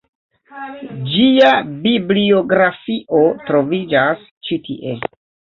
Ĝia bibliografio troviĝas ĉi tie.